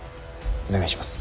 お願いします。